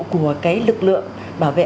của cái lực lượng bảo vệ